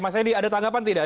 mas edi ada tanggapan tidak